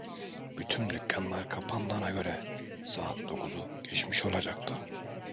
Bütün dükkânlar kapandığına göre saat dokuzu geçmiş olacaktı.